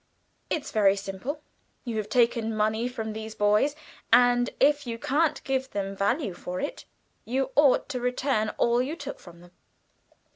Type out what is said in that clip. "It's very simple. You have taken money from these boys, and if you can't give them value for it, you ought to return all you took from them.